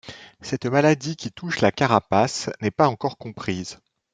Cette maladie qui touche la carapace n'est pas encore comprise.